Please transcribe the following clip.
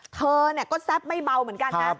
เธอก็แซ่บไม่เบาเหมือนกันนะ